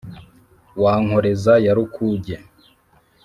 wa nkoreza ya rukuge,